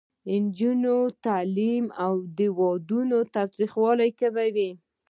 د نجونو تعلیم د ودونو تاوتریخوالی کموي.